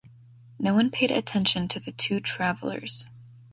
No one paid attention to the two travelers.